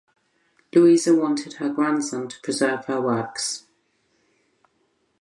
Louisa wanted her grandson to preserve her works.